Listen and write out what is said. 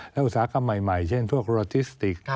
และอุตสาหกรรมใหม่เช่นพวกโรจิสติก